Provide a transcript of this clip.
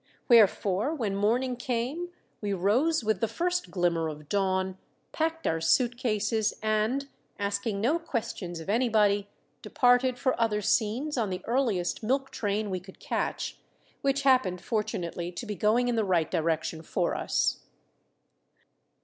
Wherefore when morning came we rose with the first glimmer of dawn, packed our suitcases, and, asking no questions of anybody, departed for other scenes on the earliest milk train we could catch; which happened, fortunately, to be going in the right direction for us.